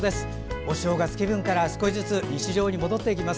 お正月気分から、少しずつ日常に戻っていきます。